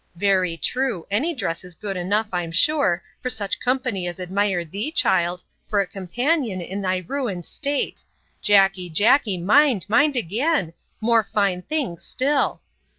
—'Very true; any dress is good enough, I'm sure, for such company as admire thee, child, for a companion, in thy ruined state!—Jackey, Jackey, mind, mind, again! more fine things still!